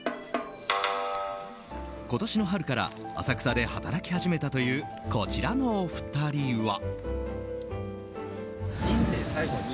今年の春から浅草で働き始めたというこちらのお二人は。